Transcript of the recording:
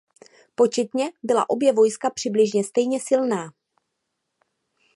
Početně byla obě vojska přibližně stejně silná.